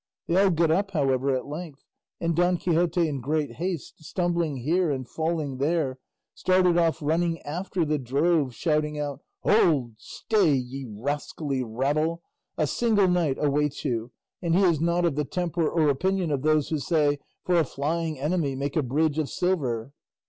They all got up, however, at length, and Don Quixote in great haste, stumbling here and falling there, started off running after the drove, shouting out, "Hold! stay! ye rascally rabble, a single knight awaits you, and he is not of the temper or opinion of those who say, 'For a flying enemy make a bridge of silver.